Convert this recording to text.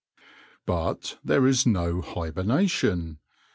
But there is no hibernation.